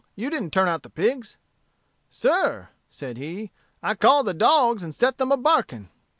you didn't turn out the pigs.' 'Sir,' said he, 'I called the dogs, and set them a barking.'